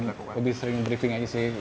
itu lebih sering briefing saja sih